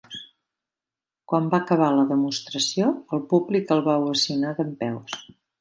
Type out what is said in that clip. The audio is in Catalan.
Quan va acabar la demostració, el públic el va ovacionar dempeus.